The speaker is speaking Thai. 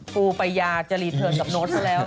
ปูปัญญาจะรีเทิร์นกับโน้ตซะแล้ว